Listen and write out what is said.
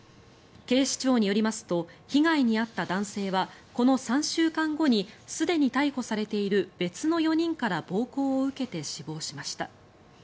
警視庁によりますと被害に遭った男性はこの３週間後にすでに逮捕されている別の４人から暴行を受けて死亡しました。